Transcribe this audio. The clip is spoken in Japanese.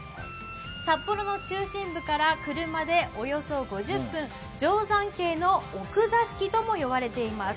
札幌の中心部から車でおよそ５０分、定山渓の奥座敷とも言われています。